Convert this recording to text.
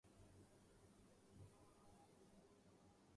سب سے پہلے ہمیں ایک دوسرے کی خود مختاری کا احترام کرنا ہے۔